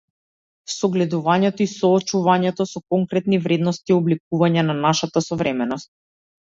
Согледувањето и соочувањето со конкретни вредности е обликување на нашата современост.